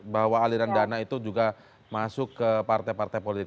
bahwa aliran dana itu juga masuk ke partai partai politik